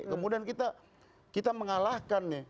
kemudian kita mengalahkan nih